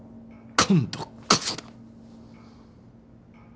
今度こそだ！